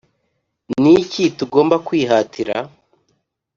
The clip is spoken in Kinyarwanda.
Ni ko tugomba kwihatira